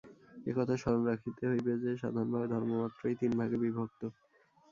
এ-কথা স্মরণ রাখিতে হইবে যে, সাধারণভাবে ধর্মমাত্রই তিন ভাগে বিভক্ত।